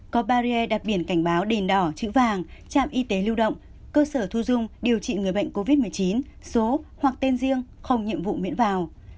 có barrier đặt biển cảnh báo đèn đỏ chữ vàng trạm y tế lưu động cơ sở thu dung điều trị người bệnh covid một mươi chín số hoặc tên riêng không nhiệm vụ miễn vào